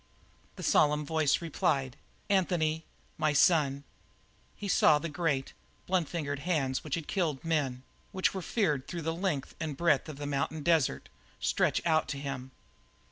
The solemn voice replied: "Anthony, my son!" He saw the great, blunt fingered hands which had killed men, which were feared through the length and breadth of the mountain desert, stretched out to him.